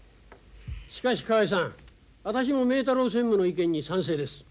しかし河合さん私も明太郎専務の意見に賛成です。